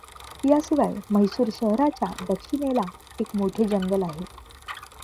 याशिवाय म्हैसूर शहराच्या दक्षिणेला एक मोठे जंगल आहे.